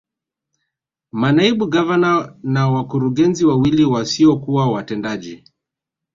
Manaibu Gavana na wakurugenzi wawili wasiokuwa watendaji